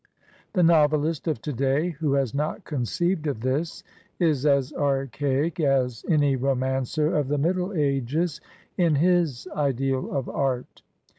The novelist of to day who has not conceived of this is as archaic as any romancer of the Middle Ages in his ideal of art.